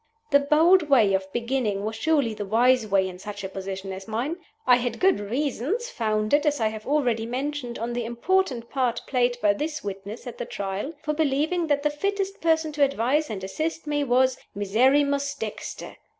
The bold way of beginning was surely the wise way in such a position as mine. I had good reasons (founded, as I have already mentioned, on the important part played by this witness at the Trial) for believing that the fittest person to advise and assist me was Miserrimus Dexter.